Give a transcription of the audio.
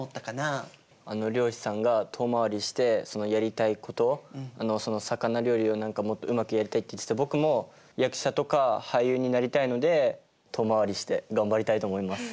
あの漁師さんが遠回りをしてやりたいこと魚料理をもっとうまくやりたいって言ってて僕も役者とか俳優になりたいので遠回りして頑張りたいと思います。